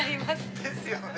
ですよね。